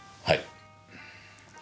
はい？